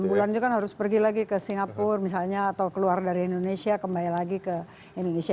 enam bulan itu kan harus pergi lagi ke singapura misalnya atau keluar dari indonesia kembali lagi ke indonesia